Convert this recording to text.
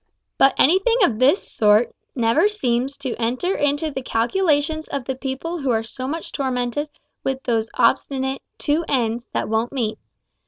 But anything of this sort never seems to enter into the calculations of the people who are so much tormented with those obstinate "two ends" that won't meet.